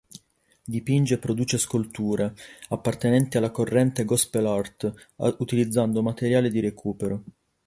Dipinge e produce sculture, appartenenti alla corrente "Gospel Art", utilizzando materiale di recupero.